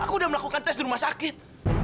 aku udah melakukan tes di rumah sakit